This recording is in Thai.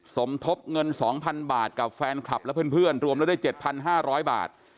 สมทบเงิน๒๐๐๐บาทกับแฟนคลับและเพื่อนรวมแล้วได้๗๕๐๐บาท